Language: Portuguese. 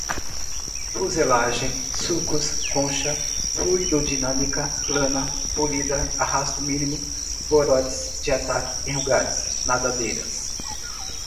fuselagem, sulcos, concha, fluidodinâmica, plana, polida, arrasto mínimo, borods de ataque enrugados, nadadeiras